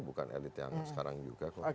bukan elit yang sekarang juga